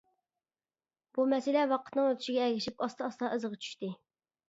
بۇ مەسىلە ۋاقىتنىڭ ئۆتۈشىگە ئەگىشىپ ئاستا-ئاستا ئىزىغا چۈشتى.